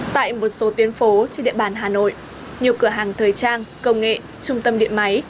tại một số tuyến phố trên địa bàn hà nội nhiều cửa hàng thời trang công nghệ trung tâm điện máy